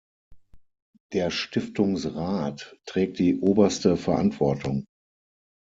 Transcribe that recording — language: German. Der Stiftungsrat trägt die oberste Verantwortung.